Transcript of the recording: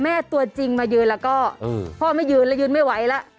ตัวจริงมายืนแล้วก็พ่อไม่ยืนแล้วยืนไม่ไหวแล้ว